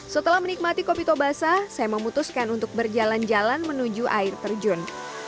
setelah menikmati kopi tobasah saya memutuskan untuk berjalan jalan menuju air terjun